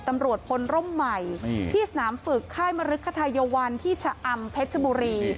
ตำรวจพลร่มใหม่ที่สนามฝึกค่ายมริคทายวันที่ชะอำเพชรบุรี